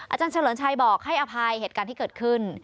เฉลิมชัยบอกให้อภัยเหตุการณ์ที่เกิดขึ้น